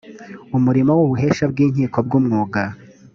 umurimo w ubuhesha bw inkiko bw umwuga